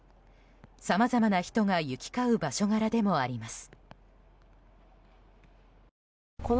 さまざまな人が行き交う場所柄でもあります。